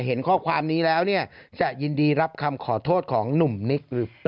แล้วความนี้แล้วเนี่ยจะยินดีรับคำขอโทษของหนุ่มนิ๊กเบียบ